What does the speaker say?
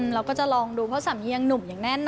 เราก็จะลองดูเพราะสามียังหนุ่มอย่างแน่นหนอ